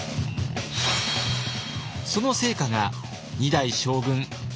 その成果が２代将軍秀忠。